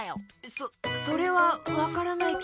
そそれはわからないけど。